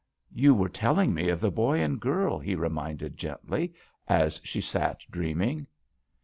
"You were telling me of the boy and girl," he reminded, gently, as she sat dreaming.